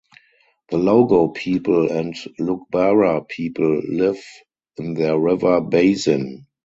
The Logo people and Lugbara people live in the river basin.